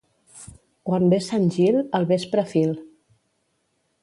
Quan ve Sant Gil, al vespre fil.